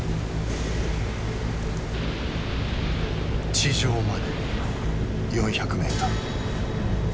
地上まで４００ｍ。